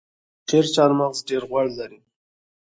د پنجشیر چهارمغز ډیر غوړ لري.